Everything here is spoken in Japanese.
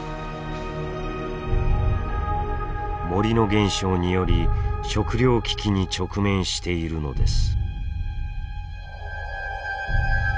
森の減少により食糧危機に直面しているのです。